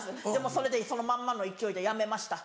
それでそのまんまの勢いで辞めました。